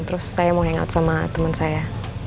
terus saya mau hangout sama teman saya